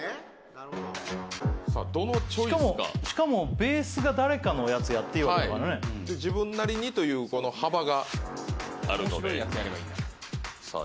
なるほどさあどのチョイスかしかもベースが誰かのやつやっていいわけだからね自分なりにという幅があるので面白いやつやればいいんださあ